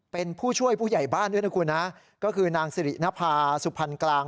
เป็นผู้ช่วยผู้ใหญ่บ้านด้วยนะคุณฮะก็คือนางสิรินภาสุพรรณกลาง